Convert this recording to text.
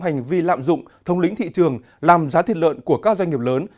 hành vi lạm dụng thông lĩnh thị trường làm giá thịt lợn của các doanh nghiệp lớn